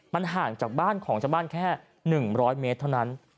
มันห่างจากบ้านของชาวบ้านแค่๑๐๐เมตรเท่านั้น